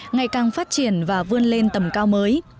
ngày càng phát triển và vươn lên tầm cao mới